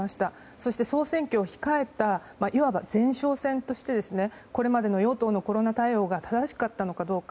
そして総選挙を控えたいわば前哨戦としてこれまでの与党のコロナ対応が正しかったのかどうか。